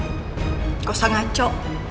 gak usah ngaco